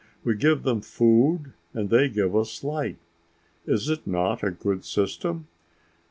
We give them food and they give us light. Is it not a good system?"